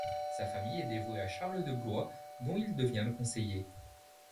Sa famille est dévouée à Charles de Blois dont il devient le conseiller.